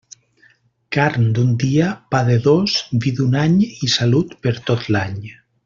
Carn d'un dia, pa de dos, vi d'un any i salut per tot l'any.